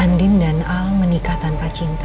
andin dan al menikah tanpa cinta